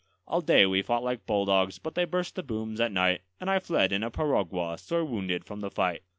All day we fought like bulldogs, but they burst the booms at night; And I fled in a piragua, sore wounded, from the fight.